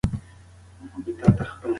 پروژه د چاغوالي پر اغېزو پوهه پراخه کړې.